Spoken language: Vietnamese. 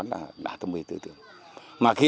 là đã thông minh tự tưởng mà khi